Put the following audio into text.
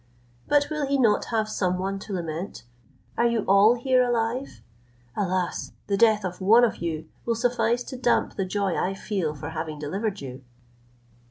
But will he not have some one to lament? Are you all here alive? Alas! the death of one of you will suffice to damp the joy I feel for having delivered you!"